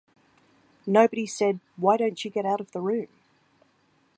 Nobody said, 'Why don't you get out of the room?